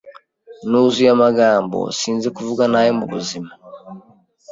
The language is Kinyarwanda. Nuzuye amagambo sinzi kuvuga nabi mubuzima